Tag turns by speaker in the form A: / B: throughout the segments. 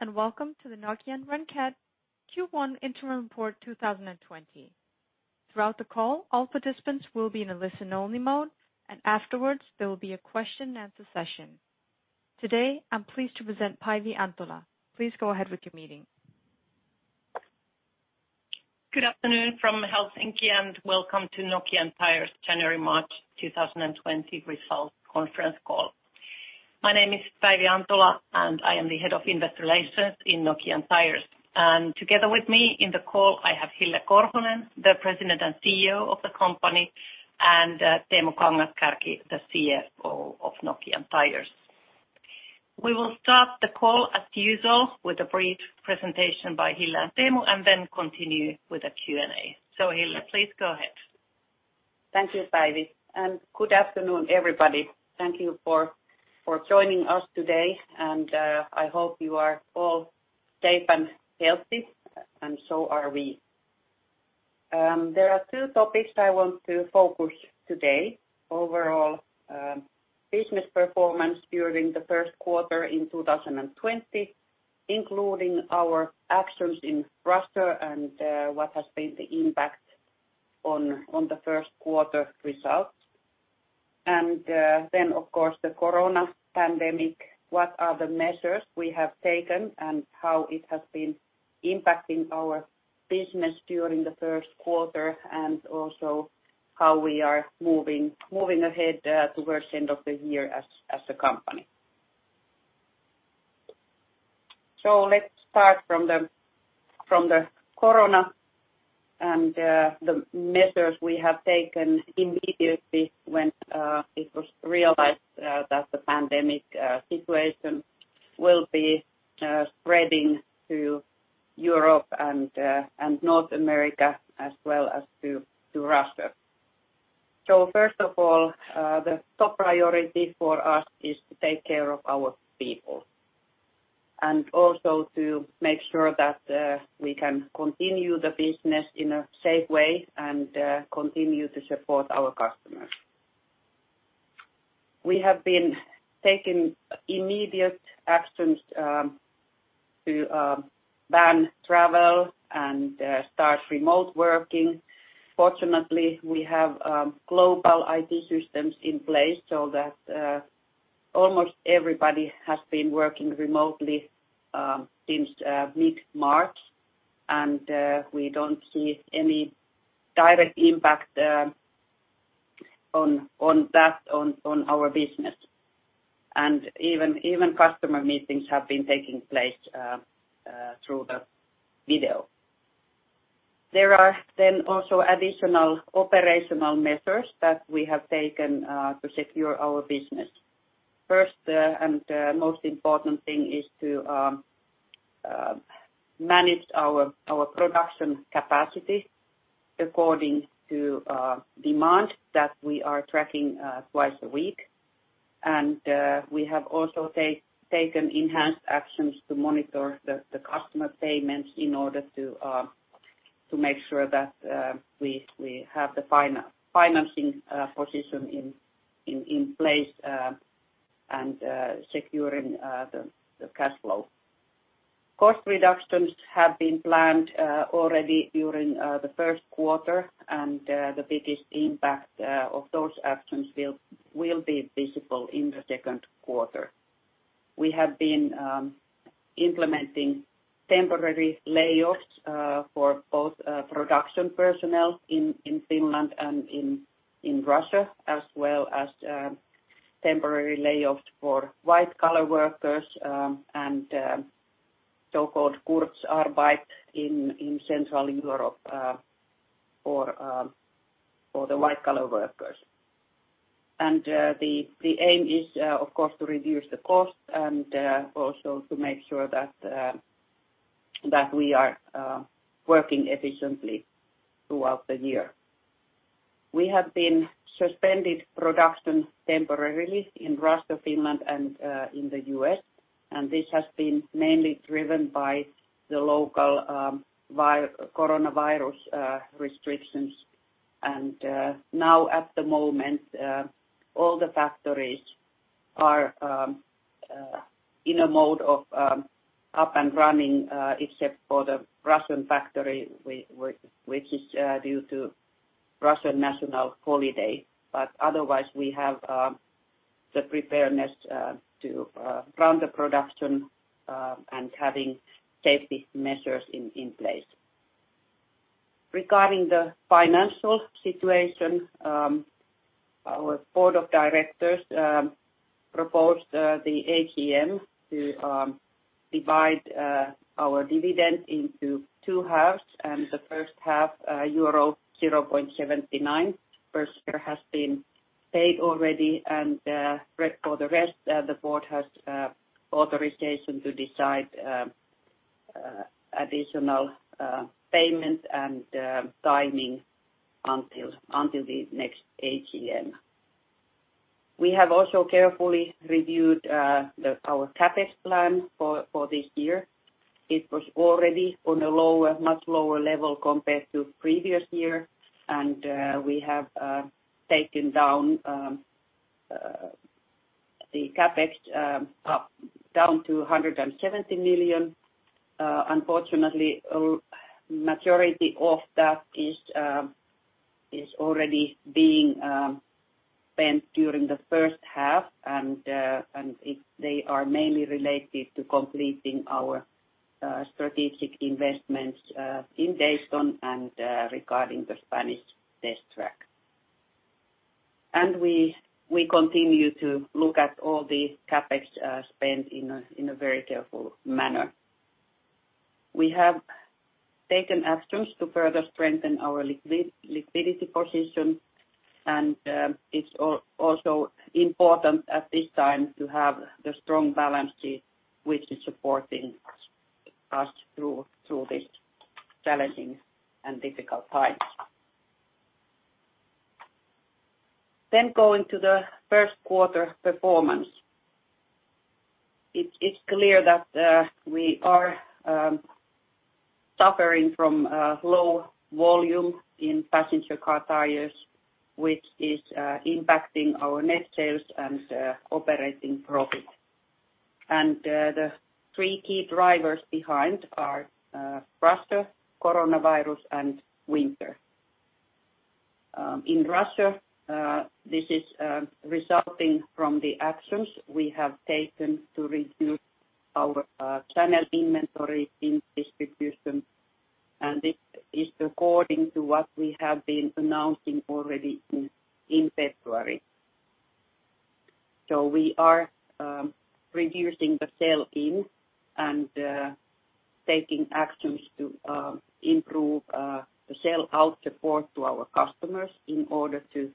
A: Hello, and welcome to the Nokian Renkaat Q1 Interim Report 2020. Throughout the call, all participants will be in a listen-only mode, and afterwards, there will be a question-and-answer session. Today, I'm pleased to present Päivi Antola. Please go ahead with your meeting.
B: Good afternoon from Helsinki, and welcome to Nokian Tyres Q1 2020 Results Conference Call. My name is Päivi Antola, and I am the Head of Investor Relations in Nokian Tyres. And together with me in the call, I have Hille Korhonen, the President and CEO of the company, and Teemu Kangas-Kärki, the CFO of Nokian Tyres. We will start the call, as usual, with a brief presentation by Hille and Teemu, and then continue with the Q&A. So, Hille, please go ahead.
C: Thank you, Päivi. And good afternoon, everybody. Thank you for joining us today, and I hope you are all safe and healthy, and so are we. There are two topics I want to focus on today: overall business performance during the first quarter in 2020, including our actions in Russia and what has been the impact on the first quarter results. And then, of course, the Corona pandemic: what are the measures we have taken, and how it has been impacting our business during the first quarter, and also how we are moving ahead towards the end of the year as a company. So let's start from the Corona and the measures we have taken immediately when it was realized that the pandemic situation will be spreading to Europe and North America, as well as to Russia. First of all, the top priority for us is to take care of our people and also to make sure that we can continue the business in a safe way and continue to support our customers. We have been taking immediate actions to ban travel and start remote working. Fortunately, we have global IT systems in place so that almost everybody has been working remotely since mid-March, and we don't see any direct impact on that on our business. Even customer meetings have been taking place through the video. There are then also additional operational measures that we have taken to secure our business. First and most important thing is to manage our production capacity according to demand that we are tracking twice a week. We have also taken enhanced actions to monitor the customer payments in order to make sure that we have the financing position in place and securing the cash flow. Cost reductions have been planned already during the first quarter, and the biggest impact of those actions will be visible in the second quarter. We have been implementing temporary layoffs for both production personnel in Finland and in Russia, as well as temporary layoffs for white-collar workers and so-called Kurzarbeit in Central Europe for the white-collar workers. The aim is, of course, to reduce the cost and also to make sure that we are working efficiently throughout the year. We have been suspending production temporarily in Russia, Finland, and in the U.S., and this has been mainly driven by the local Coronavirus restrictions. Now, at the moment, all the factories are in a mode of up and running, except for the Russian factory, which is due to the Russian national holiday. Otherwise, we have the preparedness to run the production and have safety measures in place. Regarding the financial situation, our Board of Directors proposed the AGM to divide our dividend into two halves, and the first half, euro 0.79, has been paid already. For the rest, the board has authorization to decide additional payment and timing until the next AGM. We have also carefully reviewed our CapEx plan for this year. It was already on a much lower level compared to the previous year, and we have taken down the CapEx down to EUR 170 million. Unfortunately, the majority of that is already being spent during the first half, and they are mainly related to completing our strategic investments in Dayton and regarding the Spanish test track, and we continue to look at all the CapEx spent in a very careful manner. We have taken actions to further strengthen our liquidity position, and it's also important at this time to have the strong balance sheet which is supporting us through these challenging and difficult times, then going to the first quarter performance, it's clear that we are suffering from low volume in Passenger Car Tires, which is impacting our net sales and operating profit, and the three key drivers behind are Russia, Coronavirus, and winter. In Russia, this is resulting from the actions we have taken to reduce our channel inventory in distribution, and this is according to what we have been announcing already in February. We are reducing the sell-in and taking actions to improve the sell-out support to our customers in order to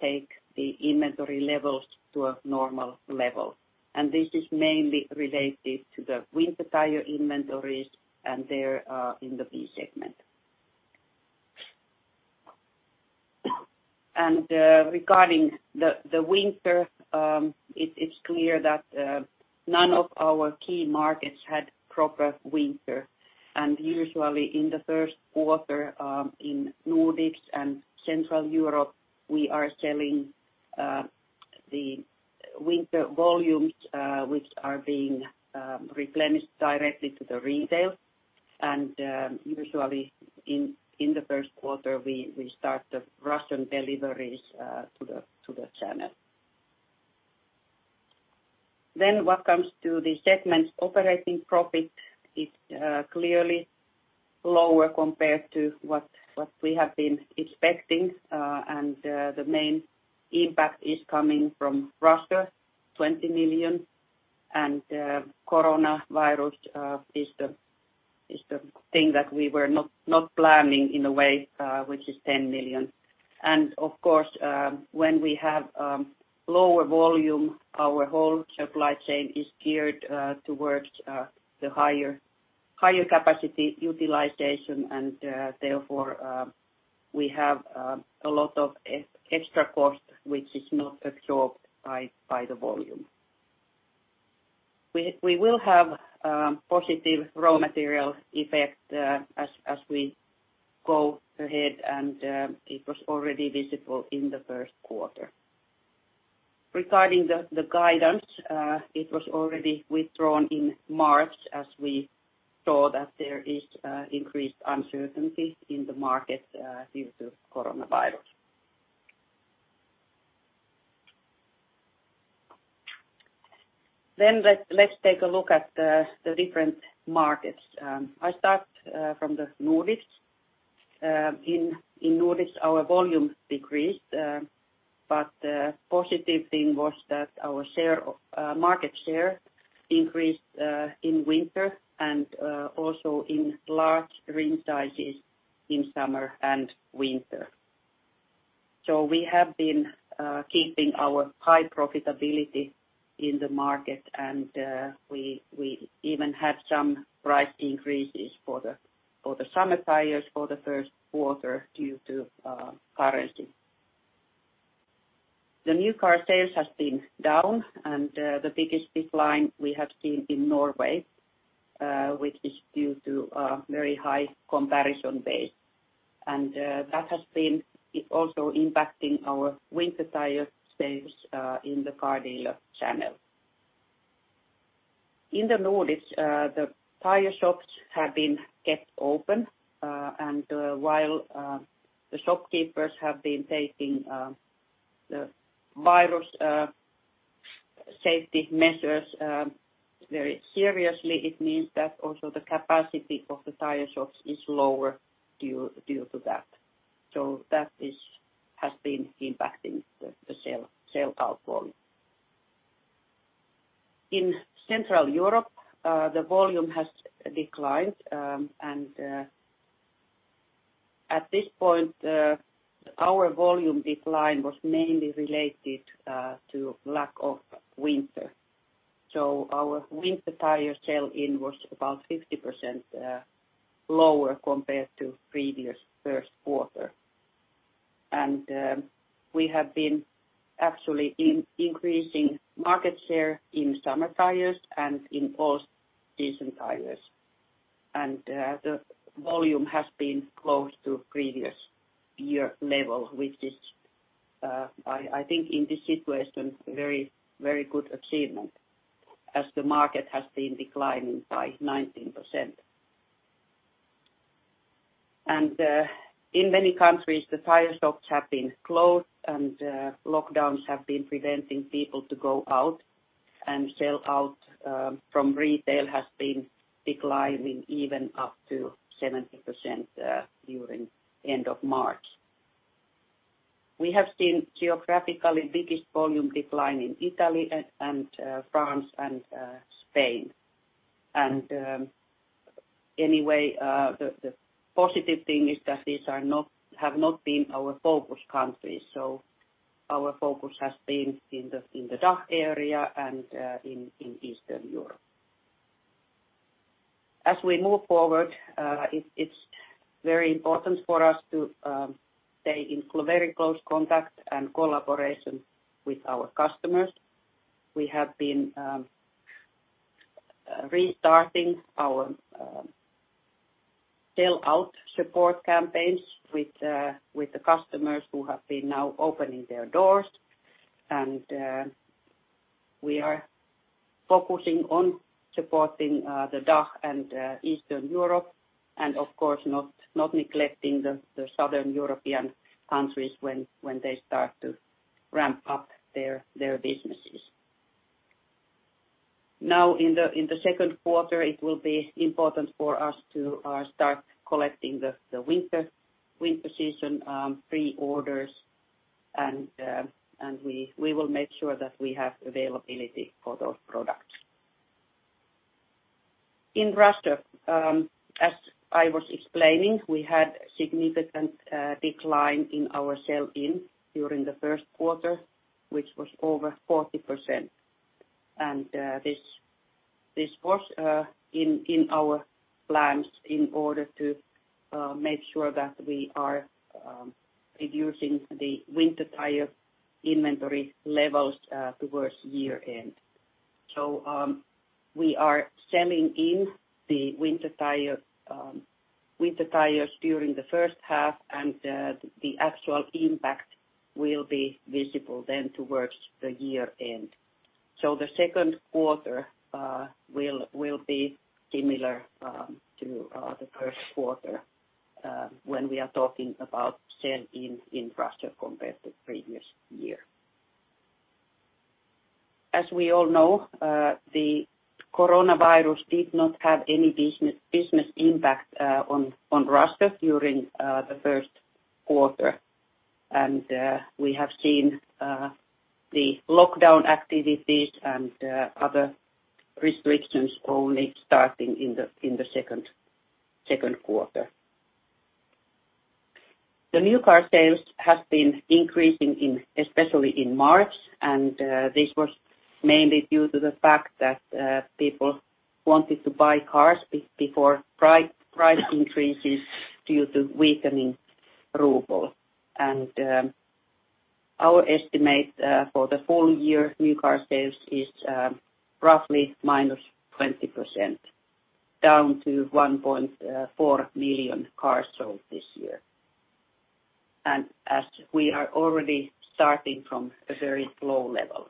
C: take the inventory levels to a normal level. This is mainly related to the winter tire inventories and they're in the B segment. Regarding the winter, it's clear that none of our key markets had proper winter. Usually, in the first quarter in Nordics and Central Europe, we are selling the winter volumes which are being replenished directly to the retail. Usually, in the first quarter, we start the Russian deliveries to the channel. What comes to the segment's operating profit, it's clearly lower compared to what we have been expecting, and the main impact is coming from Russia, 20 million. Coronavirus is the thing that we were not planning in a way, which is 10 million. Of course, when we have lower volume, our whole supply chain is geared towards the higher capacity utilization, and therefore we have a lot of extra cost which is not absorbed by the volume. We will have positive raw material effect as we go ahead, and it was already visible in the first quarter. Regarding the guidance, it was already withdrawn in March as we saw that there is increased uncertainty in the market due to Coronavirus. Let's take a look at the different markets. I start from the Nordics. In Nordics, our volume decreased, but the positive thing was that our market share increased in winter and also in large rim sizes in summer and winter. So we have been keeping our high profitability in the market, and we even had some price increases for the summer tires for the first quarter due to currency. The new car sales have been down, and the biggest decline we have seen in Norway, which is due to a very high comparison base, and that has been also impacting our winter tire sales in the car dealer channel. In the Nordics, the tire shops have been kept open, and while the shopkeepers have been taking the virus safety measures very seriously, it means that also the capacity of the tire shops is lower due to that, so that has been impacting the sell-out volume. In Central Europe, the volume has declined, and at this point, our volume decline was mainly related to the lack of winter, so our winter tire sell-in was about 50% lower compared to the previous first quarter, and we have been actually increasing market share in summer tires and in all-season tires. And the volume has been close to the previous year level, which is, I think, in this situation, a very good achievement as the market has been declining by 19%. And in many countries, the tire shops have been closed, and lockdowns have been preventing people from going out, and sell-out from retail has been declining even up to 70% during the end of March. We have seen geographically the biggest volume decline in Italy, France, and Spain. And anyway, the positive thing is that these have not been our focus countries. So our focus has been in the DACH area and in Eastern Europe. As we move forward, it's very important for us to stay in very close contact and collaboration with our customers. We have been restarting our sell-out support campaigns with the customers who have been now opening their doors. We are focusing on supporting the DACH and Eastern Europe and, of course, not neglecting the Southern European countries when they start to ramp up their businesses. Now, in the second quarter, it will be important for us to start collecting the winter season pre-orders, and we will make sure that we have availability for those products. In Russia, as I was explaining, we had a significant decline in our sell-in during the first quarter, which was over 40%. This was in our plans in order to make sure that we are reducing the winter tire inventory levels towards year-end. We are selling in the winter tires during the first half, and the actual impact will be visible then towards the year-end. The second quarter will be similar to the first quarter when we are talking about sell-in in Russia compared to the previous year. As we all know, the Coronavirus did not have any business impact on Russia during the first quarter, and we have seen the lockdown activities and other restrictions only starting in the second quarter. The new car sales have been increasing, especially in March, and this was mainly due to the fact that people wanted to buy cars before price increases due to weakening ruble, and our estimate for the full year new car sales is roughly -20%, down to 1.4 million cars sold this year, and as we are already starting from a very low level.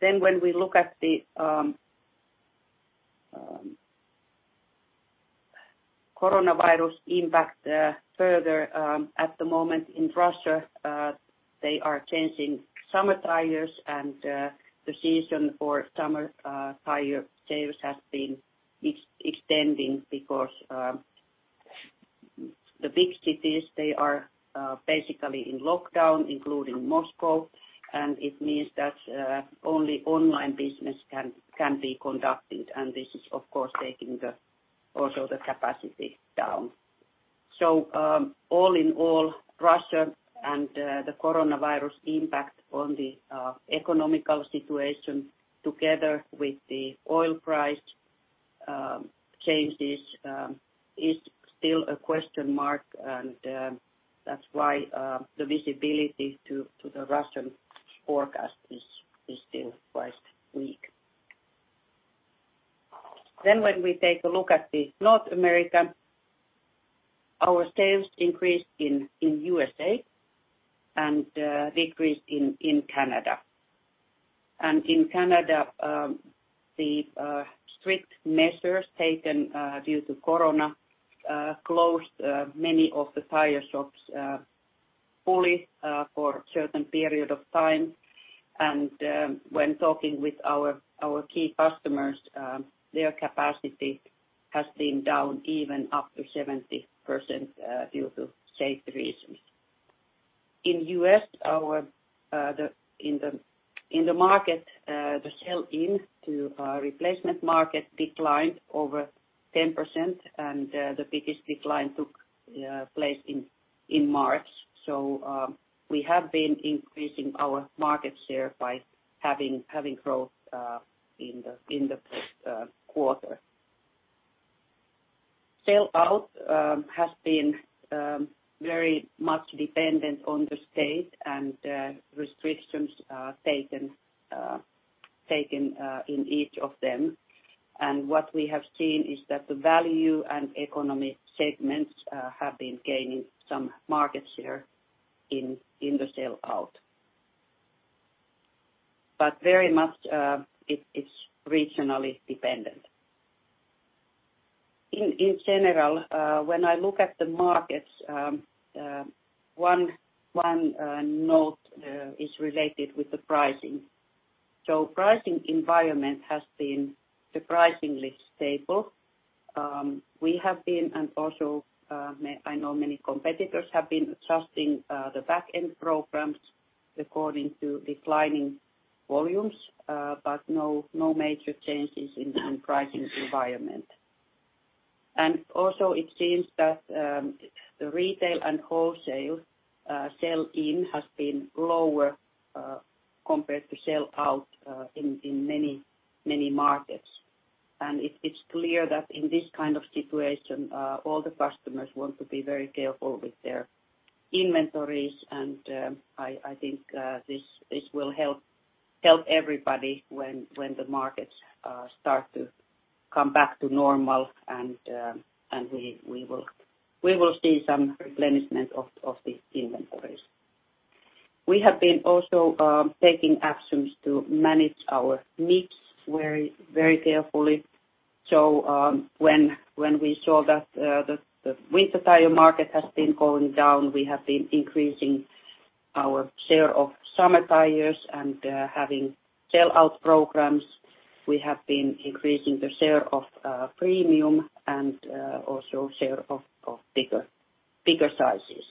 C: Then when we look at the Coronavirus impact further, at the moment in Russia, they are changing summer tires, and the season for summer tire sales has been extending because the big cities, they are basically in lockdown, including Moscow, and it means that only online business can be conducted, and this is, of course, taking also the capacity down. So all in all, Russia and the Coronavirus impact on the economic situation together with the oil price changes is still a question mark, and that's why the visibility to the Russian forecast is still quite weak. Then when we take a look at North America, our sales increased in the U.S.A. and decreased in Canada. And in Canada, the strict measures taken due to Corona closed many of the tire shops fully for a certain period of time. And when talking with our key customers, their capacity has been down even up to 70% due to safety reasons. In the U.S., in the market, the sell-in to replacement market declined over 10%, and the biggest decline took place in March. So we have been increasing our market share by having growth in the first quarter. Sell-out has been very much dependent on the state and restrictions taken in each of them. And what we have seen is that the value and economy segments have been gaining some market share in the sell-out. But very much it's regionally dependent. In general, when I look at the markets, one note is related with the pricing. So the pricing environment has been surprisingly stable. We have been, and also I know many competitors have been adjusting the back-end programs according to declining volumes, but no major changes in the pricing environment. Also it seems that the retail and wholesale sell-in has been lower compared to sell-out in many markets. It's clear that in this kind of situation, all the customers want to be very careful with their inventories, and I think this will help everybody when the markets start to come back to normal, and we will see some replenishment of the inventories. We have been also taking actions to manage our needs very carefully. When we saw that the winter tire market has been going down, we have been increasing our share of summer tires and having sell-out programs. We have been increasing the share of premium and also share of bigger sizes.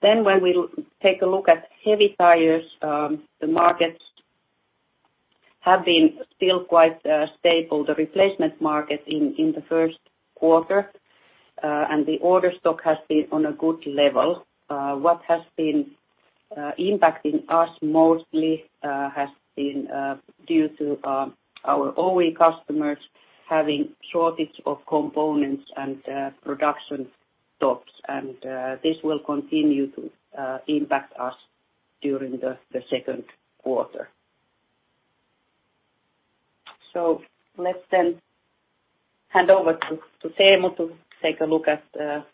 C: When we take a look at Heavy Tyres, the markets have been still quite stable. The replacement market in the first quarter and the order stock has been on a good level. What has been impacting us mostly has been due to our OE customers having a shortage of components and production stocks, and this will continue to impact us during the second quarter. So let's then hand over to Teemu to take a look at the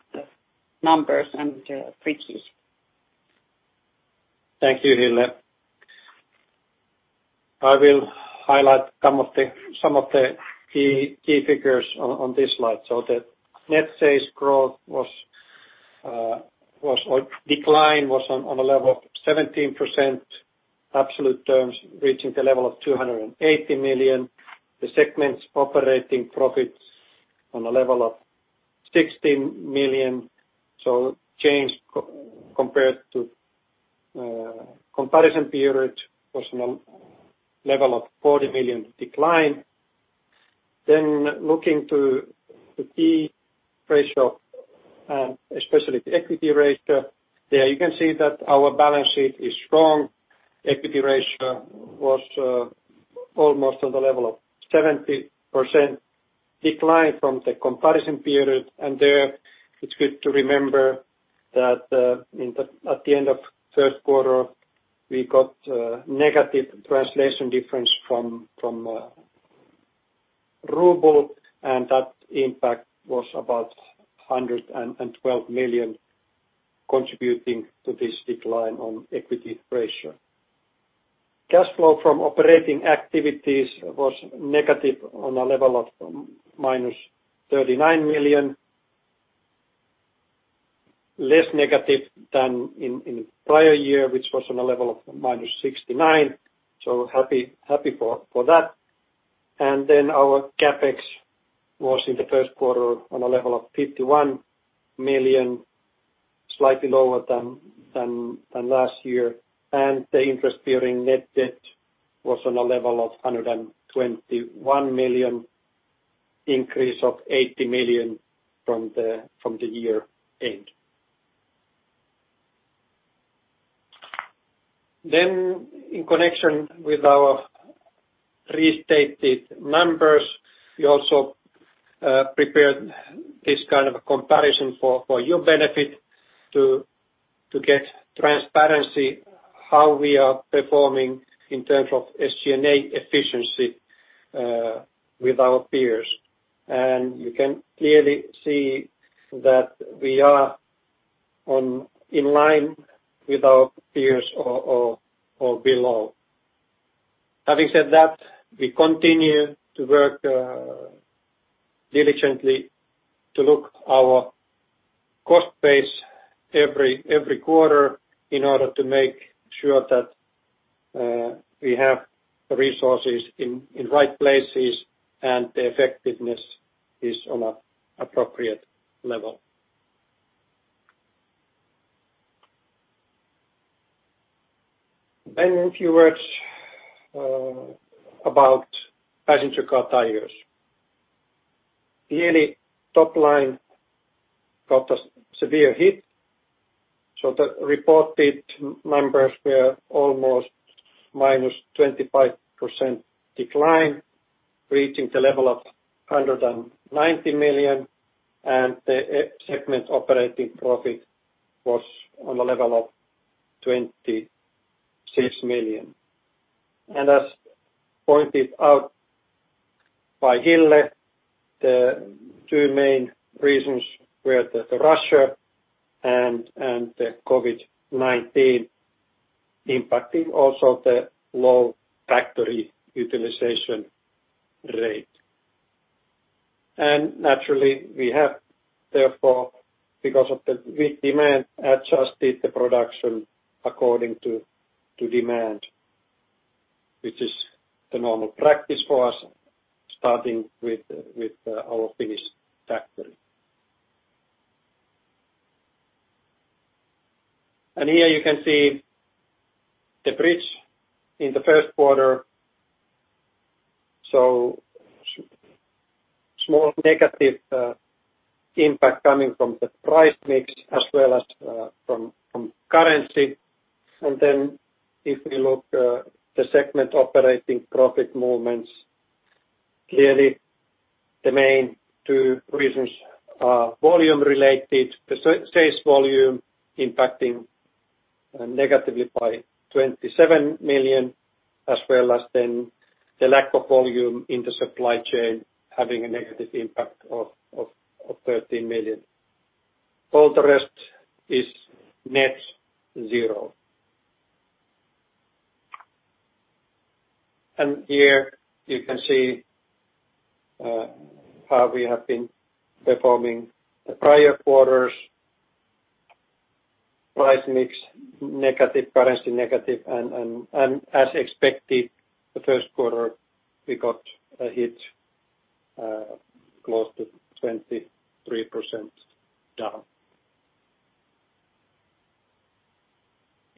C: numbers and the figures.
D: Thank you, Hille. I will highlight some of the key figures on this slide. So the net sales growth decline was on a level of 17% absolute terms, reaching the level of 280 million. The segments' operating profits on a level of 16 million. So change compared to comparison period was on a level of 40 million decline. Then looking to the key ratio, especially the equity ratio, there you can see that our balance sheet is strong. The equity ratio was almost on the level of 70% decline from the comparison period. There it's good to remember that at the end of the first quarter, we got a negative translation difference from ruble, and that impact was about 112 million contributing to this decline on equity ratio. Cash flow from operating activities was negative on a level of -39 million, less negative than in the prior year, which was on a level of -69. So happy for that. And then our CapEx was in the first quarter on a level of 51 million, slightly lower than last year. And the interest-bearing net debt was on a level of 121 million, increase of 80 million from the year-end. Then in connection with our restated numbers, we also prepared this kind of comparison for your benefit to get transparency how we are performing in terms of SG&A efficiency with our peers. You can clearly see that we are in line with our peers or below. Having said that, we continue to work diligently to look at our cost base every quarter in order to make sure that we have resources in the right places and the effectiveness is on an appropriate level. A few words about passenger car tires. Our top line caught a severe hit. So the reported numbers were almost a 25% decline, reaching the level of 190 million, and the segment operating profit was on the level of 26 million. As pointed out by Hille, the two main reasons were that Russia and the COVID-19 impacted, also the low factory utilization rate. Naturally, we have therefore, because of the low demand, adjusted the production according to demand, which is the normal practice for us, starting with our Finnish factory. Here you can see the bridge in the first quarter. Small negative impact coming from the price mix as well as from currency. If we look at the segment operating profit movements, clearly the main two reasons are volume-related. The sales volume impacting negatively by 27 million, as well as then the lack of volume in the supply chain having a negative impact of 13 million. All the rest is net zero. Here you can see how we have been performing the prior quarters. Price mix negative, currency negative, and as expected, the first quarter we got a hit close to 23% down.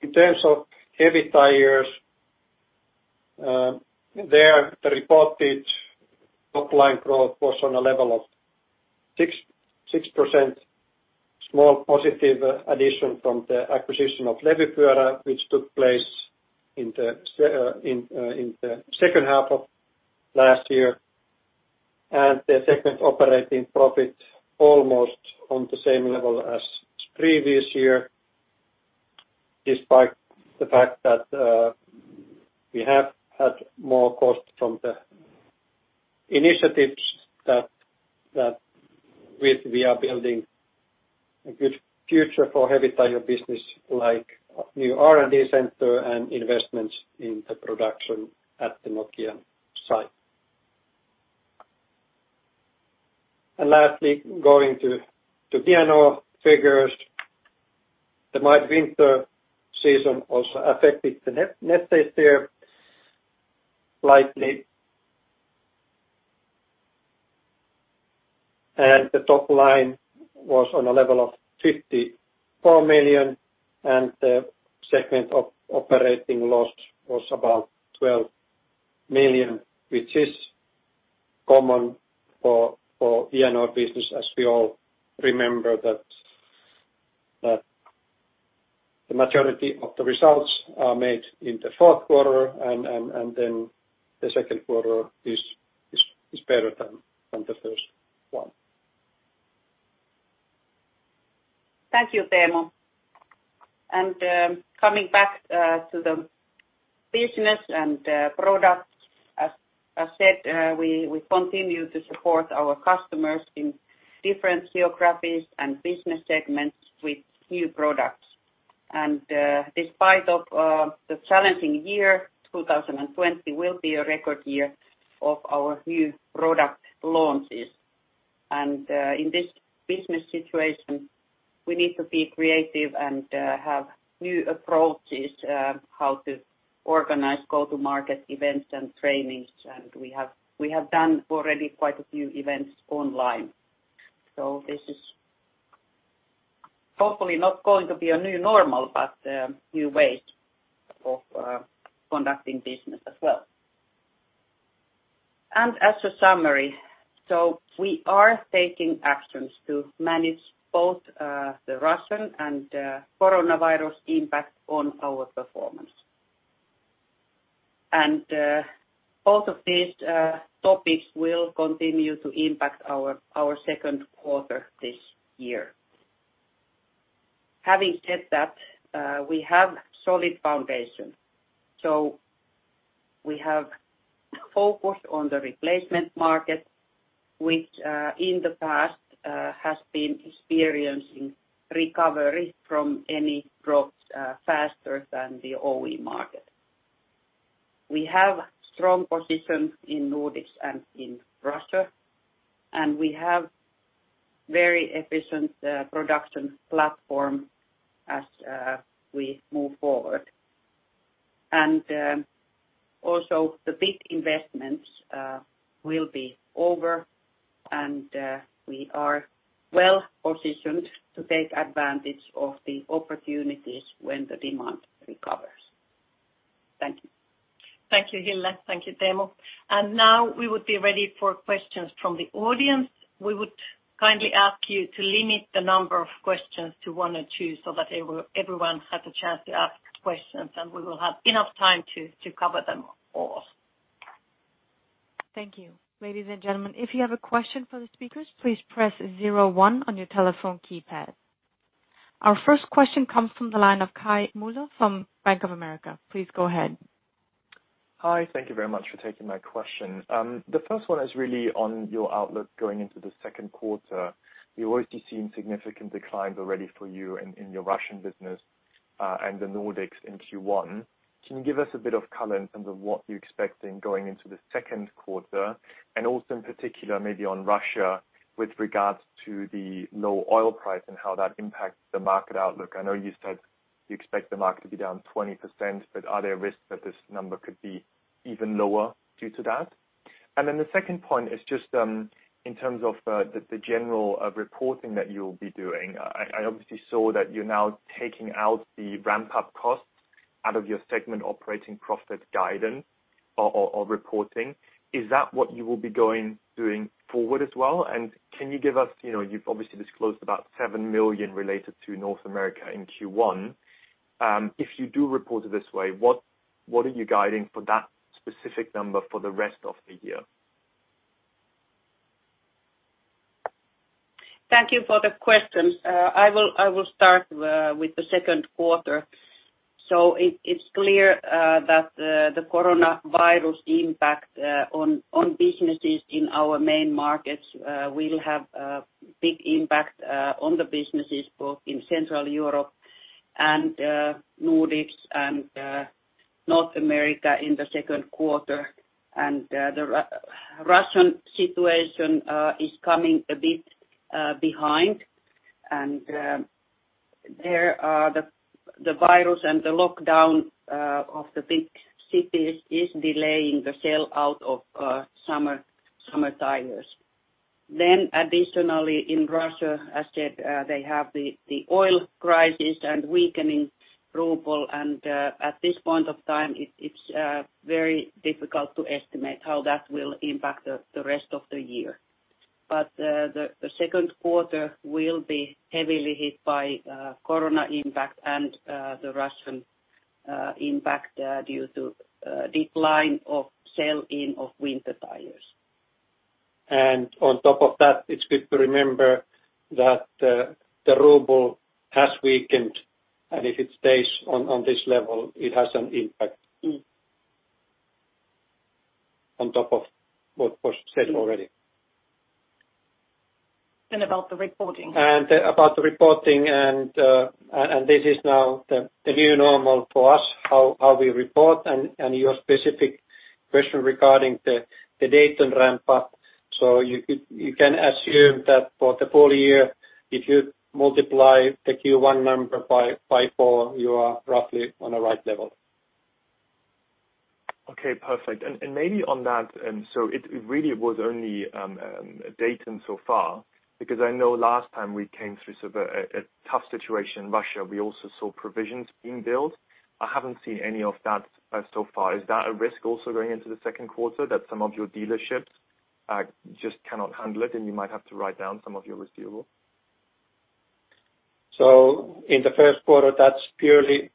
D: In terms of Heavy Tyres, there the reported top line growth was on a level of 6%. Small positive addition from the acquisition of Levypyörä, which took place in the second half of last year. The segment operating profit almost on the same level as previous year, despite the fact that we have had more cost from the initiatives that we are building a good future for Heavy Tyre business like new R&D center and investments in the production at the Nokian site. Lastly, going to Vianor figures, the mild winter season also affected the net sales there slightly. The top line was on a level of 54 million, and the segment operating loss was about 12 million, which is common for Vianor business, as we all remember that the majority of the results are made in the fourth quarter, and then the second quarter is better than the first one.
C: Thank you, Teemu. Coming back to the business and product, as said, we continue to support our customers in different geographies and business segments with new products. Despite the challenging year, 2020 will be a record year of our new product launches. In this business situation, we need to be creative and have new approaches how to organize go-to-market events and trainings. We have done already quite a few events online. This is hopefully not going to be a new normal, but new ways of conducting business as well. As a summary, so we are taking actions to manage both the Russian and the Coronavirus impact on our performance. Both of these topics will continue to impact our second quarter this year. Having said that, we have a solid foundation. We have focused on the replacement market, which in the past has been experiencing recovery from any growth faster than the OE market. We have a strong position in Nordics and in Russia, and we have a very efficient production platform as we move forward, and also the big investments will be over, and we are well positioned to take advantage of the opportunities when the demand recovers. Thank you.
B: Thank you, Hille. Thank you, Teemu, and now we would be ready for questions from the audience. We would kindly ask you to limit the number of questions to one or two so that everyone had a chance to ask questions, and we will have enough time to cover them all.
A: Thank you. Ladies and gentlemen, if you have a question for the speakers, please press 01 on your telephone keypad. Our first question comes from the line of Kai Mueller from Bank of America. Please go ahead.
E: Hi. Thank you very much for taking my question. The first one is really on your outlook going into the second quarter. We've already seen significant declines for you in your Russian business and the Nordics in Q1. Can you give us a bit of color in terms of what you're expecting going into the second quarter? And also in particular, maybe on Russia with regards to the low oil price and how that impacts the market outlook. I know you said you expect the market to be down 20%, but are there risks that this number could be even lower due to that? And then the second point is just in terms of the general reporting that you'll be doing. I obviously saw that you're now taking out the ramp-up costs out of your segment operating profit guidance or reporting. Is that what you will be doing going forward as well? Can you give us? You've obviously disclosed about 7 million related to North America in Q1. If you do report it this way, what are you guiding for that specific number for the rest of the year?
C: Thank you for the question. I will start with the second quarter. So it's clear that the coronavirus impact on businesses in our main markets will have a big impact on the businesses both in Central Europe and Nordics and North America in the second quarter. The Russian situation is coming a bit behind, and the virus and the lockdown of the big cities is delaying the sale out of summer tires. Then additionally, in Russia, as said, they have the oil crisis and weakening ruble, and at this point of time, it's very difficult to estimate how that will impact the rest of the year. But the second quarter will be heavily hit by Corona impact and the Russian impact due to decline of sell-in of winter tires.
D: On top of that, it's good to remember that the ruble has weakened, and if it stays on this level, it has an impact on top of what was said already. And about the reporting, and this is now the new normal for us, how we report. And your specific question regarding the Dayton and ramp-up, so you can assume that for the full year, if you multiply the Q1 number by four, you are roughly on a right level.
E: Okay. Perfect. And maybe on that, so it really was only de-rating so far, because I know last time we came through a tough situation in Russia, we also saw provisions being built. I haven't seen any of that so far. Is that a risk also going into the second quarter that some of your dealerships just cannot handle it, and you might have to write down some of your residual?
D: So in the first quarter, that's purely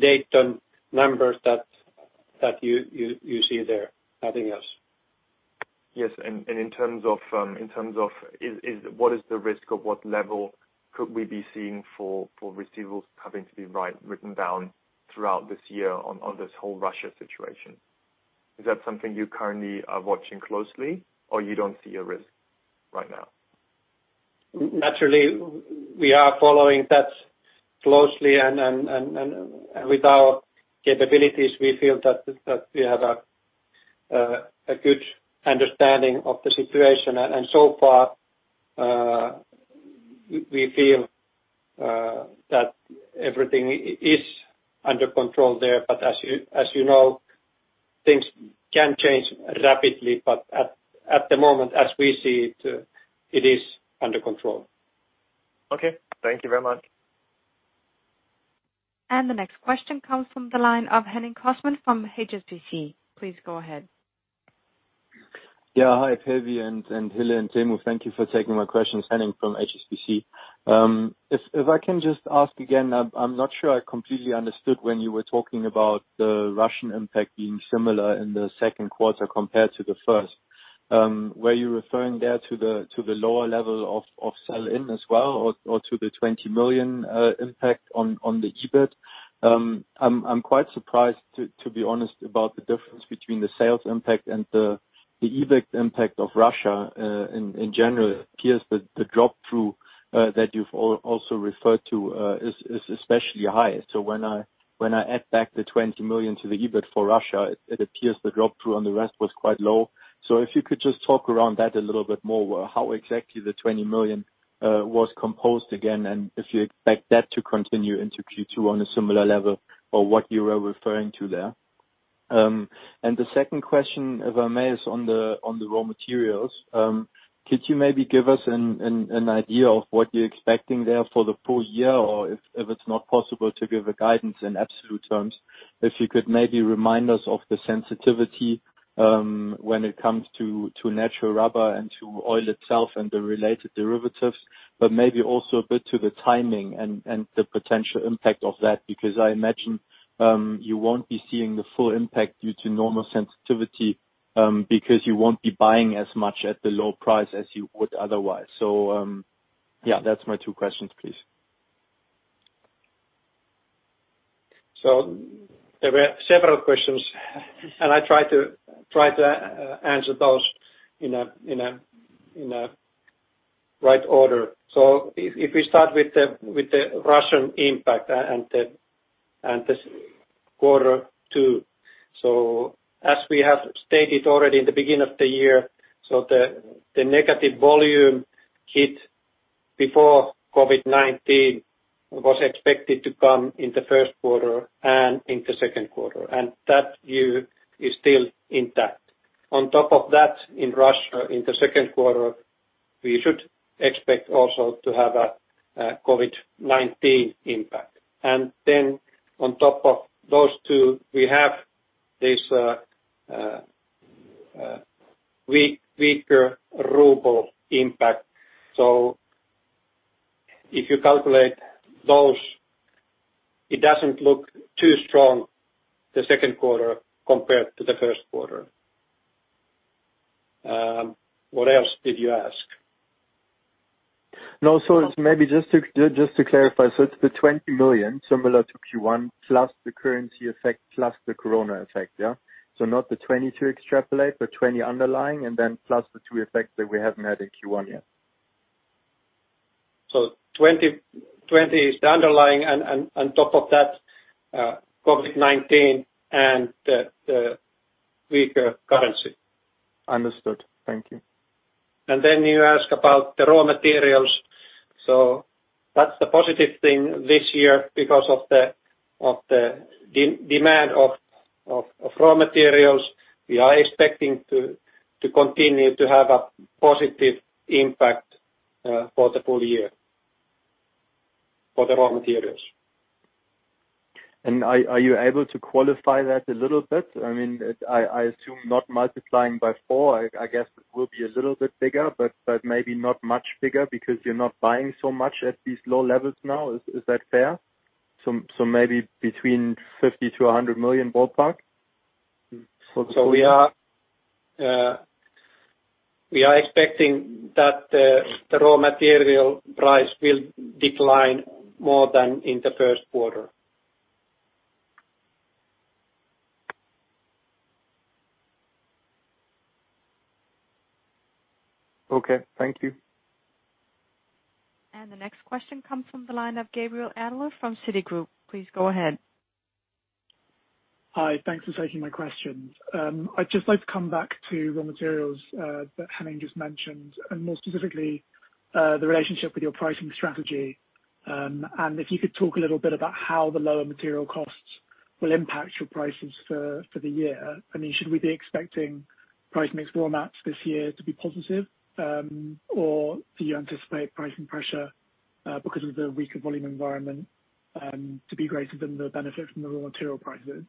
D: Dayton and numbers that you see there. Nothing else.
E: Yes. And in terms of what is the risk of what level could we be seeing for residuals having to be written down throughout this year on this whole Russia situation? Is that something you currently are watching closely, or you don't see a risk right now?
D: Naturally, we are following that closely, and with our capabilities, we feel that we have a good understanding of the situation. And so far, we feel that everything is under control there. But as you know, things can change rapidly, but at the moment, as we see it, it is under control. Okay. Thank you very much.
A: And the next question comes from the line of Henning Cosman from HSBC. Please go ahead.
F: Yeah. Hi, Päivi, and Hille and Teemu, thank you for taking my questions. Henning from HSBC. If I can just ask again, I'm not sure I completely understood when you were talking about the Russian impact being similar in the second quarter compared to the first. Were you referring there to the lower level of sell-in as well, or to the 20 million impact on the EBIT? I'm quite surprised, to be honest, about the difference between the sales impact and the EBIT impact of Russia in general. It appears that the drop-through that you've also referred to is especially high. So when I add back the 20 million to the EBIT for Russia, it appears the drop-through on the rest was quite low. If you could just talk around that a little bit more, how exactly the 20 million was composed again, and if you expect that to continue into Q2 on a similar level or what you were referring to there? The second question, if I may, is on the raw materials. Could you maybe give us an idea of what you're expecting there for the full year, or if it's not possible to give a guidance in absolute terms, if you could maybe remind us of the sensitivity when it comes to natural rubber and to oil itself and the related derivatives, but maybe also a bit to the timing and the potential impact of that, because I imagine you won't be seeing the full impact due to normal sensitivity because you won't be buying as much at the low price as you would otherwise? So yeah, that's my two questions, please.
D: So there were several questions, and I tried to answer those in a right order. So if we start with the Russian impact and the quarter two, so as we have stated already in the beginning of the year, so the negative volume hit before COVID-19 was expected to come in the first quarter and in the second quarter, and that view is still intact. On top of that, in Russia, in the second quarter, we should expect also to have a COVID-19 impact. And then on top of those two, we have this weaker ruble impact. So if you calculate those, it doesn't look too strong the second quarter compared to the first quarter. What else did you ask?
F: No, so it's maybe just to clarify, so it's the 20 million similar to Q1 plus the currency effect plus the Corona effect, yeah? So not the 20 to extrapolate, but 20 underlying, and then plus the two effects that we haven't had in Q1 yet.
D: So 20 is the underlying, and on top of that, COVID-19 and the weaker currency. Understood. Thank you. And then you asked about the raw materials. So that's the positive thing this year because of the demand of raw materials. We are expecting to continue to have a positive impact for the full year for the raw materials.
F: And are you able to qualify that a little bit? I mean, I assume not multiplying by four, I guess it will be a little bit bigger, but maybe not much bigger because you're not buying so much at these low levels now. Is that fair? So maybe between 50-100 million ballpark?
D: So we are expecting that the raw material price will decline more than in the first quarter.
F: Okay. Thank you.
A: And the next question comes from the line of Gabriel Adler from Citigroup. Please go ahead.
G: Hi. Thanks for taking my question. I'd just like to come back to raw materials that Henning just mentioned, and more specifically, the relationship with your pricing strategy. And if you could talk a little bit about how the lower material costs will impact your prices for the year. I mean, should we be expecting price mix formats this year to be positive, or do you anticipate pricing pressure because of the weaker volume environment to be greater than the benefit from the raw material prices?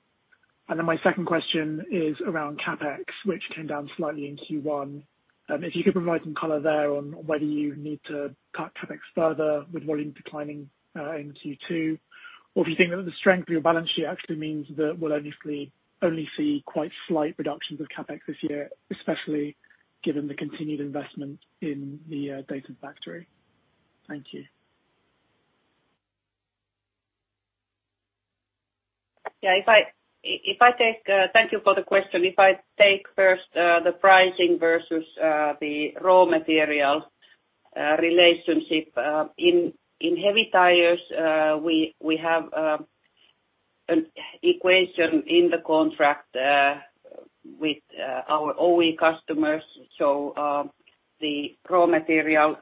G: And then my second question is around CapEx, which came down slightly in Q1. If you could provide some color there on whether you need to cut CapEx further with volume declining in Q2, or if you think that the strength of your balance sheet actually means that we'll only see quite slight reductions of CapEx this year, especially given the continued investment in the Dayton factory. Thank you.
C: Yeah. Thank you for the question. If I take first the pricing versus the raw material relationship, in Heavy Tyres, we have an equation in the contract with our OE customers. So the raw material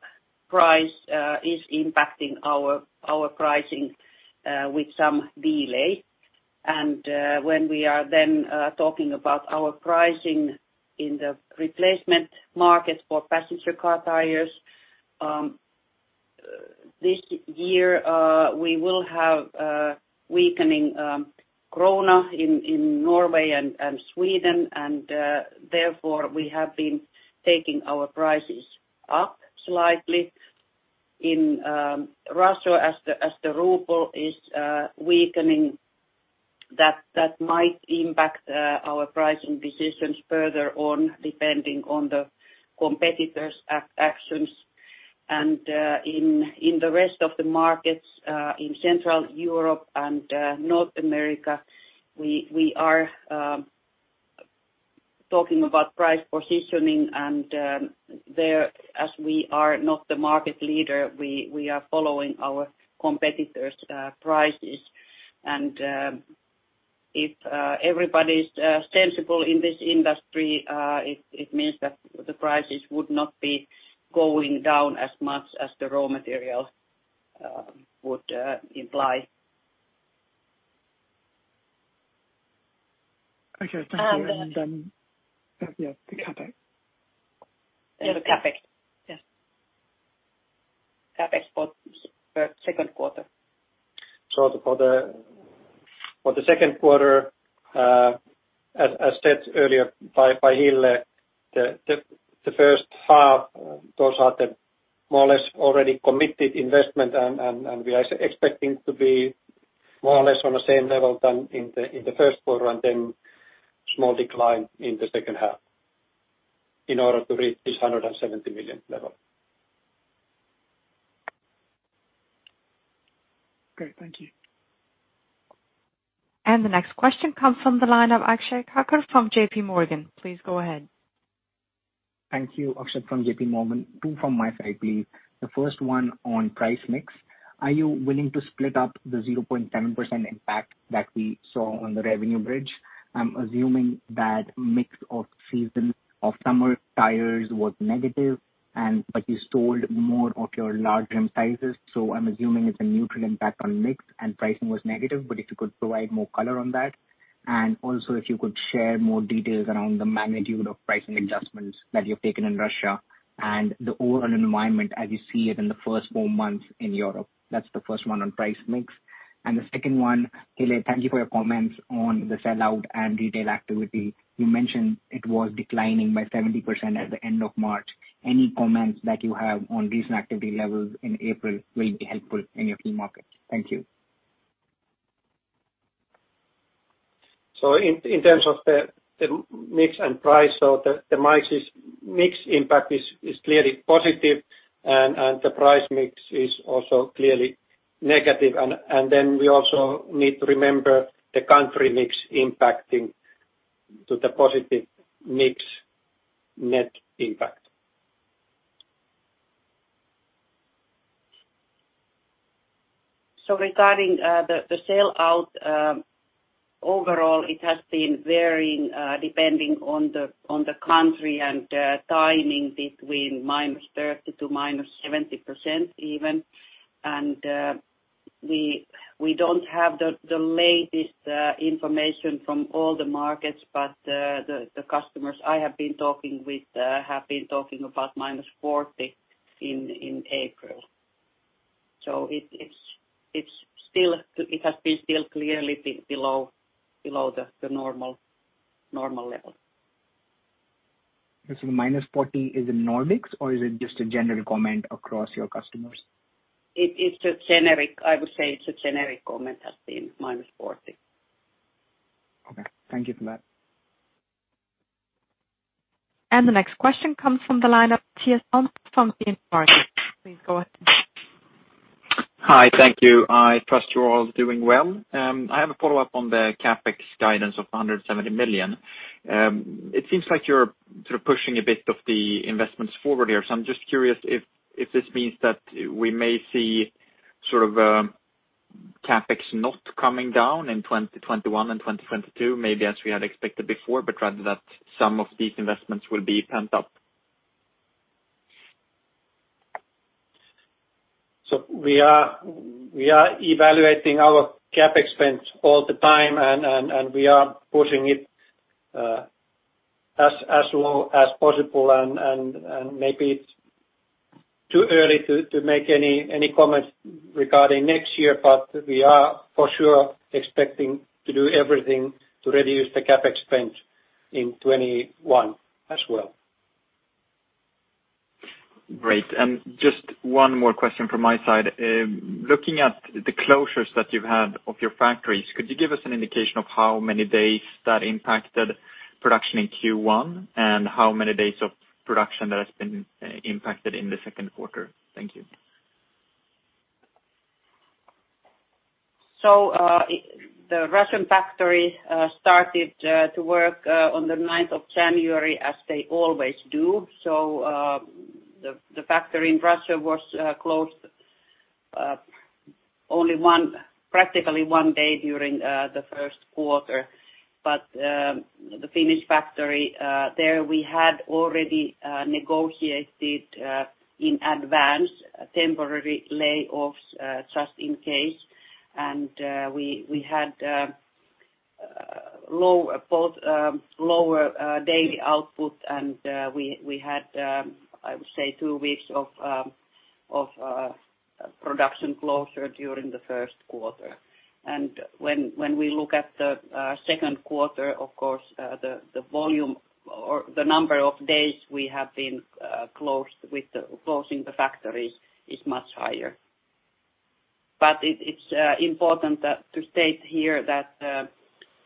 C: price is impacting our pricing with some delay. And when we are then talking about our pricing in the replacement market for passenger car tires, this year, we will have weakening krona in Norway and Sweden, and therefore, we have been taking our prices up slightly. In Russia, as the ruble is weakening, that might impact our pricing decisions further on, depending on the competitors' actions. And in the rest of the markets in Central Europe and North America, we are talking about price positioning, and there, as we are not the market leader, we are following our competitors' prices. And if everybody's sensible in this industry, it means that the prices would not be going down as much as the raw material would imply.
G: Okay. Thank you. And yeah, the CapEx. Yeah, the CapEx. Yes. CapEx for the second quarter.
D: So for the second quarter, as said earlier by Hille, the first half, those are the more or less already committed investment, and we are expecting to be more or less on the same level than in the first quarter, and then small decline in the second half in order to reach this 170 million level.
G: Okay. Thank you. And the next question comes from the line of Akshat Kacker from JP Morgan. Please go ahead.
H: Thank you, Akshat from JP Morgan. Two from my side, please. The first one on price mix. Are you willing to split up the 0.7% impact that we saw on the revenue bridge? I'm assuming that mix of summer tires was negative, but you sold more of your large rim sizes. So I'm assuming it's a neutral impact on mix, and pricing was negative, but if you could provide more color on that. Also, if you could share more details around the magnitude of pricing adjustments that you've taken in Russia and the overall environment as you see it in the first four months in Europe. That's the first one on price mix. The second one, Hille, thank you for your comments on the sell-out and retail activity. You mentioned it was declining by 70% at the end of March. Any comments that you have on recent activity levels in April will be helpful in your key markets. Thank you.
D: In terms of the mix and price, the mix impact is clearly positive, and the price mix is also clearly negative. Then we also need to remember the country mix impacting to the positive mix net impact.
C: Regarding the sell-out, overall, it has been varying depending on the country and timing between -30% to -70% even. We don't have the latest information from all the markets, but the customers I have been talking with have been talking about -40% in April. It has been still clearly below the normal level.
H: The -40% is in Nordics, or is it just a general comment across your customers?
C: It's a generic I would say it's a generic comment has been-40%.
H: Okay. Thank you for that.
A: The next question comes from the line of Mattias Holmberg from DNB Markets. Please go ahead.
I: Hi. Thank you. I trust you're all doing well. I have a follow-up on the CapEx guidance of 170 million. It seems like you're sort of pushing a bit of the investments forward here. So I'm just curious if this means that we may see sort of CapEx not coming down in 2021 and 2022, maybe as we had expected before, but rather that some of these investments will be pent up.
D: So we are evaluating our CapEx spend all the time, and we are pushing it as low as possible. And maybe it's too early to make any comments regarding next year, but we are for sure expecting to do everything to reduce the CapEx spend in 2021 as well.
I: Great. And just one more question from my side. Looking at the closures that you've had of your factories, could you give us an indication of how many days that impacted production in Q1 and how many days of production that has been impacted in the second quarter? Thank you.
C: The Russian factory started to work on the 9th of January, as they always do. The factory in Russia was closed only practically one day during the first quarter. But the Finnish factory there, we had already negotiated in advance temporary layoffs just in case. We had lower daily output, and we had, I would say, two weeks of production closure during the first quarter. When we look at the second quarter, of course, the volume or the number of days we have been closing the factories is much higher. But it's important to state here that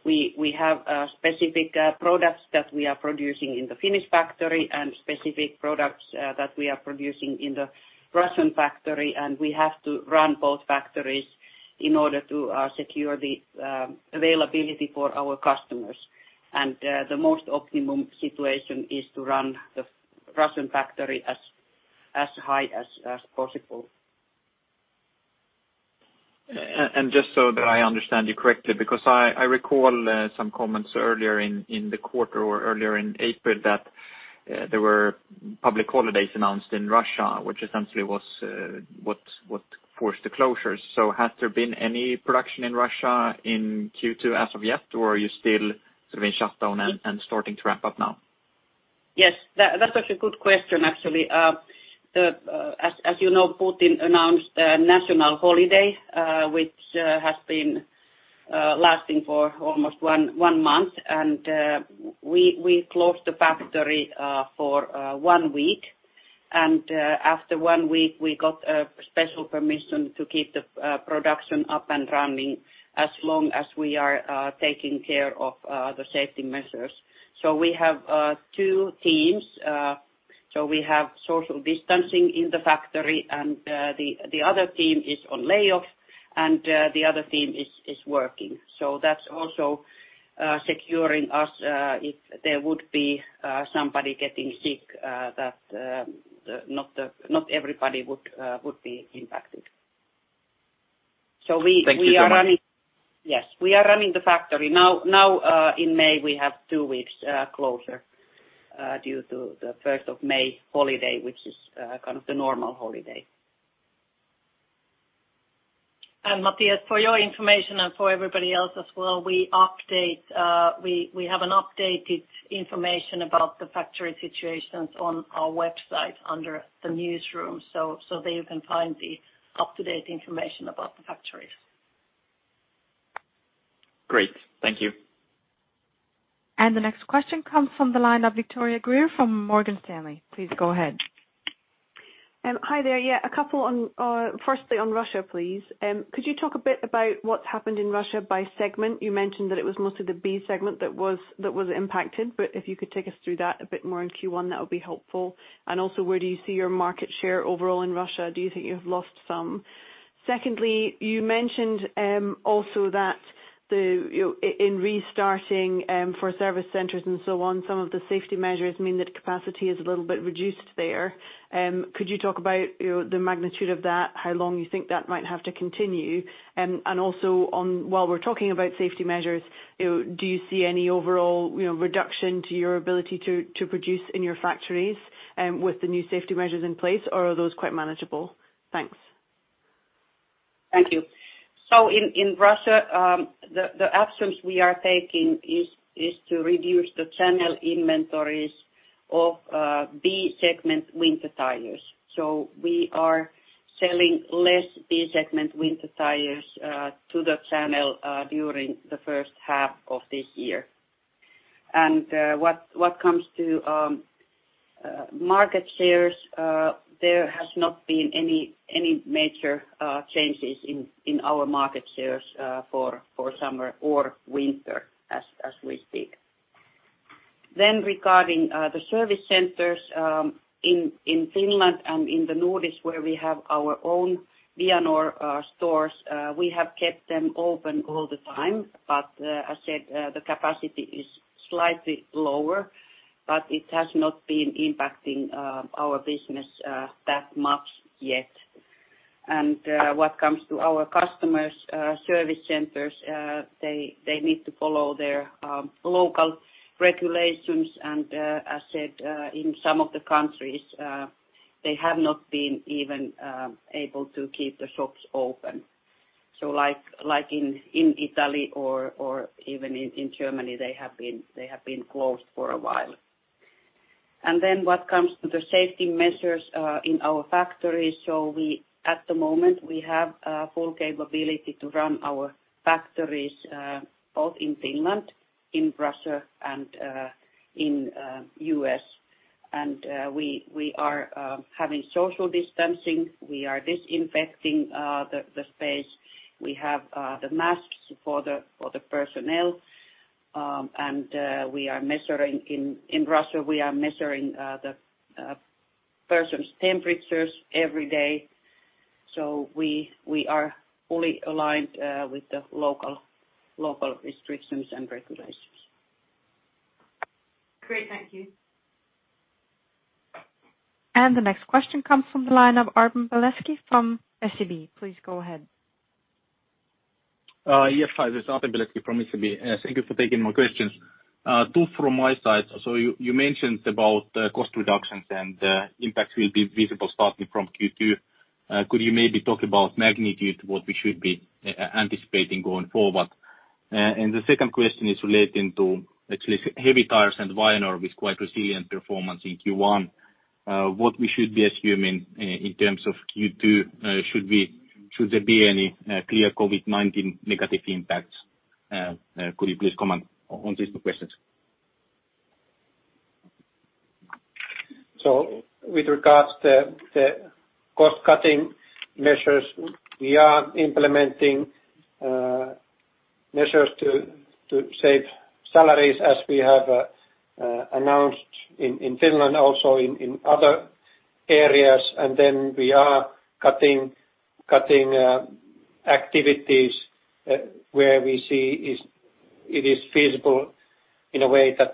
C: we have specific products that we are producing in the Finnish factory and specific products that we are producing in the Russian factory, and we have to run both factories in order to secure the availability for our customers. The most optimum situation is to run the Russian factory as high as possible.
I: Just so that I understand you correctly, because I recall some comments earlier in the quarter or earlier in April that there were public holidays announced in Russia, which essentially was what forced the closures. Has there been any production in Russia in Q2 as of yet, or are you still sort of in shutdown and starting to ramp up now?
C: Yes. That's actually a good question, actually. As you know, Putin announced a national holiday, which has been lasting for almost one month, and we closed the factory for one week. After one week, we got special permission to keep the production up and running as long as we are taking care of the safety measures. We have two teams. So we have social distancing in the factory, and the other team is on layoff, and the other team is working. So that's also securing us if there would be somebody getting sick that not everybody would be impacted. So we are running.
I: Thank you for that.
C: Yes. We are running the factory. Now, in May, we have two weeks closure due to the 1st of May holiday, which is kind of the normal holiday. And Mattias, for your information and for everybody else as well, we have an updated information about the factory situations on our website under the newsroom, so there you can find the up-to-date information about the factories.
I: Great. Thank you.
A: And the next question comes from the line of Victoria Greer from Morgan Stanley. Please go ahead.
J: Hi there. Yeah, a couple on firstly on Russia, please. Could you talk a bit about what's happened in Russia by segment? You mentioned that it was mostly the B segment that was impacted, but if you could take us through that a bit more in Q1, that would be helpful. And also, where do you see your market share overall in Russia? Do you think you have lost some? Secondly, you mentioned also that in restarting for service centers and so on, some of the safety measures mean that capacity is a little bit reduced there. Could you talk about the magnitude of that, how long you think that might have to continue? And also, while we're talking about safety measures, do you see any overall reduction to your ability to produce in your factories with the new safety measures in place, or are those quite manageable? Thanks.
C: Thank you. In Russia, the actions we are taking is to reduce the channel inventories of B segment winter tires. We are selling less B segment winter tires to the channel during the first half of this year. What comes to market shares, there has not been any major changes in our market shares for summer or winter as we speak. Regarding the service centers in Finland and in the Nordics, where we have our own Vianor stores, we have kept them open all the time, but as I said, the capacity is slightly lower, but it has not been impacting our business that much yet. What comes to our customers' service centers, they need to follow their local regulations. As I said, in some of the countries, they have not been even able to keep the shops open. So like in Italy or even in Germany, they have been closed for a while. And then what comes to the safety measures in our factories, so at the moment, we have full capability to run our factories both in Finland, in Russia, and in the U.S. And we are having social distancing. We are disinfecting the space. We have the masks for the personnel. And we are measuring in Russia, we are measuring the person's temperatures every day. So we are fully aligned with the local restrictions and regulations.
J: Great. Thank you.
A: And the next question comes from the line of Artem Beletski from SEB. Please go ahead.
K: Yes, hi. This is Artem Beletski from SEB. Thank you for taking my questions. Two from my side. So you mentioned about the cost reductions and the impact will be visible starting from Q2. Could you maybe talk about magnitude what we should be anticipating going forward? And the second question is relating to actually Heavy Tyres and Vianor with quite resilient performance in Q1. What we should be assuming in terms of Q2? Should there be any clear COVID-19 negative impacts? Could you please comment on these two questions?
D: So with regards to the cost-cutting measures, we are implementing measures to save salaries as we have announced in Finland, also in other areas. And then we are cutting activities where we see it is feasible in a way that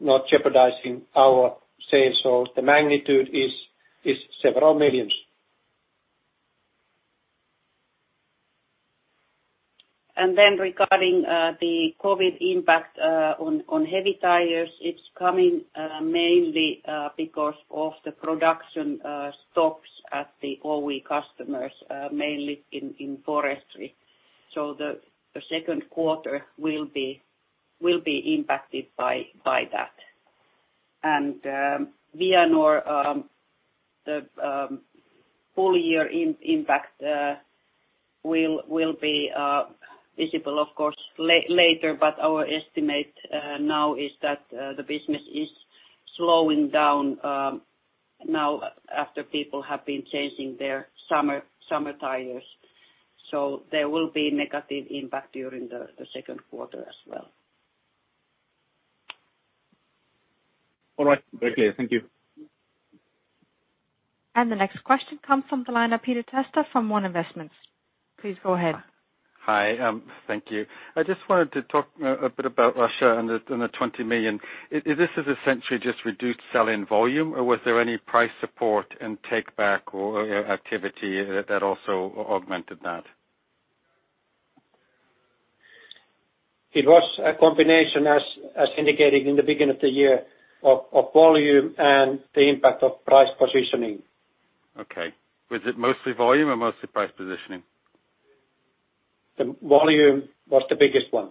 D: not jeopardizing our sales. So the magnitude is several million.
C: And then regarding the COVID impact on Heavy Tyres, it's coming mainly because of the production stops at the OE customers, mainly in forestry. So the second quarter will be impacted by that. And Vianor, the full year impact will be visible, of course, later, but our estimate now is that the business is slowing down now after people have been changing their summer tires. So there will be negative impact during the second quarter as well.
K: All right. Very clear. Thank you.
A: And the next question comes from the line of Peter Testa from One Investments. Please go ahead.
L: Hi. Thank you. I just wanted to talk a bit about Russia and the 20 million. This is essentially just reduced selling volume, or was there any price support and take-back or activity that also augmented that?
D: It was a combination, as indicated in the beginning of the year, of volume and the impact of price positioning.
L: Okay. Was it mostly volume or mostly price positioning?
D: The volume was the biggest one.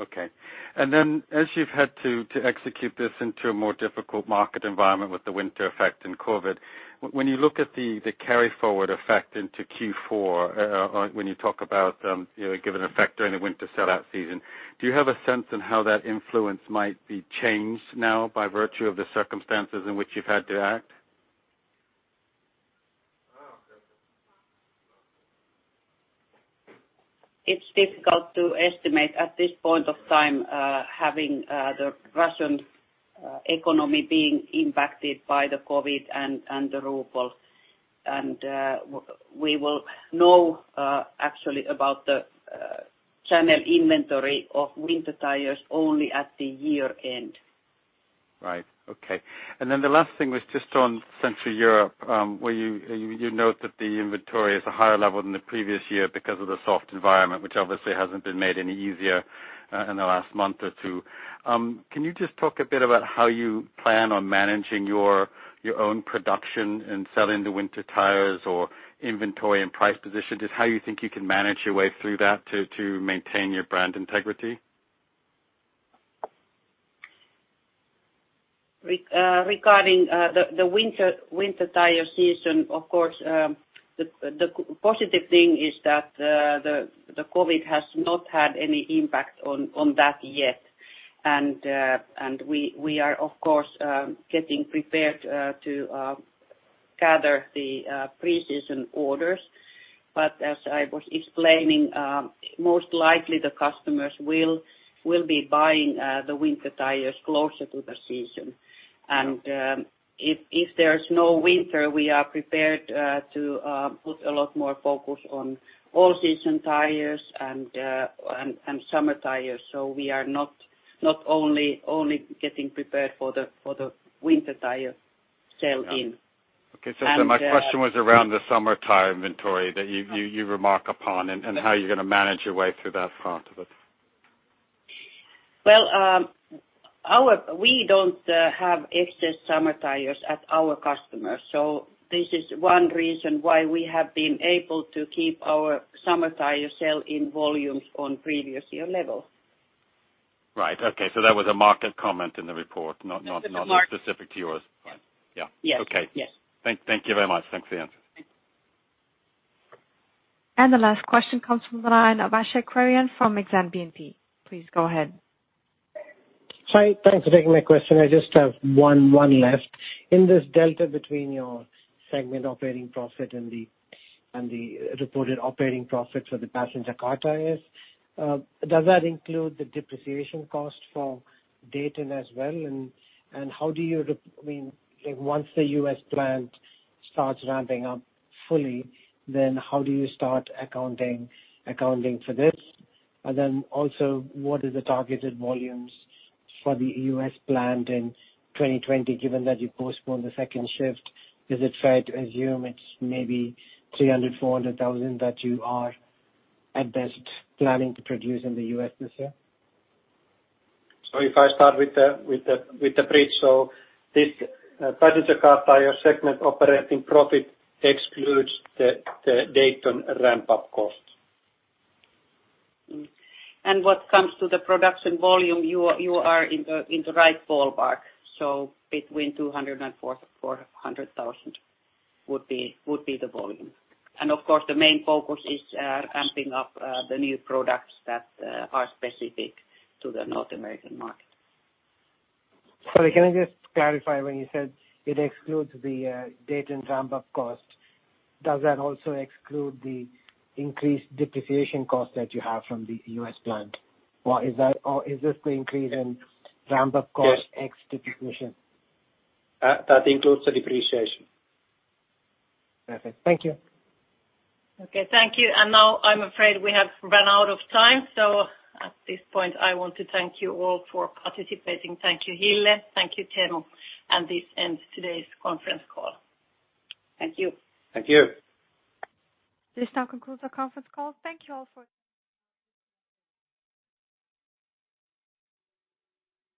L: Okay. And then as you've had to execute this into a more difficult market environment with the winter effect and COVID, when you look at the carry-forward effect into Q4, when you talk about given effect during the winter sell-out season, do you have a sense on how that influence might be changed now by virtue of the circumstances in which you've had to act?
C: It's difficult to estimate at this point of time, having the Russian economy being impacted by the COVID and the ruble. And we will know actually about the channel inventory of winter tires only at the year-end.
L: Right. Okay. And then the last thing was just on Central Europe, where you note that the inventory is a higher level than the previous year because of the soft environment, which obviously hasn't been made any easier in the last month or two. Can you just talk a bit about how you plan on managing your own production and selling the winter tires or inventory and price position? Just how you think you can manage your way through that to maintain your brand integrity?
C: Regarding the winter tire season, of course, the positive thing is that the COVID has not had any impact on that yet. And we are, of course, getting prepared to gather the pre-season orders. But as I was explaining, most likely the customers will be buying the winter tires closer to the season. And if there's no winter, we are prepared to put a lot more focus on all-season tires and summer tires. So we are not only getting prepared for the winter tire sell-in.
L: Okay. So my question was around the summer tire inventory that you remark upon and how you're going to manage your way through that part of it.
C: Well, we don't have excess summer tires at our customers. So this is one reason why we have been able to keep our summer tire sell-in volumes on previous year level.
L: Right. Okay. So that was a market comment in the report, not specific to yours. Yeah. Okay. Thank you very much. Thanks for the answers.
A: And the last question comes from the line of Ashik Kurian from Exane BNP. Please go ahead.
M: Hi. Thanks for taking my question. I just have one left. In this delta between your segment operating profit and the reported operating profit for the passenger car tires, does that include the depreciation cost for Dayton as well? And how do you—I mean, once the US plant starts ramping up fully, then how do you start accounting for this? And then also, what is the targeted volumes for the US plant in 2020, given that you postponed the second shift? Is it fair to assume it's maybe 300-400 thousand that you are at best planning to produce in the U.S. this year?
D: Sorry, if I start with the bridge. So this passenger car tire segment operating profit excludes the Dayton ramp-up cost.
C: And what comes to the production volume, you are in the right ballpark. So between 200 and 400 thousand would be the volume. And of course, the main focus is ramping up the new products that are specific to the North American market.
M: Sorry, can I just clarify? When you said it excludes the Dayton ramp-up cost, does that also exclude the increased depreciation cost that you have from the U.S. plant? Or is this the increase in ramp-up cost ex depreciation?
D: That includes the depreciation.
M: Perfect. Thank you.
C: Okay. Thank you. And now I'm afraid we have run out of time. So at this point, I want to thank you all for participating.
B: Thank you, Hille. Thank you, Teemu. And this ends today's conference call.
C: Thank you.
D: Thank you.
A: This now concludes our conference call. Thank you all for.